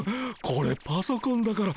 これパソコンだから。